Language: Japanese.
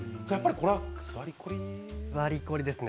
これは座りコリですかね。